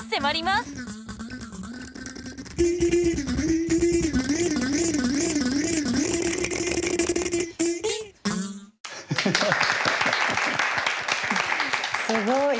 すごい。